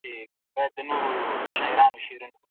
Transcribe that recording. هغه کسان چې لیکوالي ورته ستونزمنه ښکاري، باید ناهیلې نه وي.